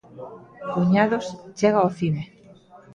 Cuñados, chega ao cine.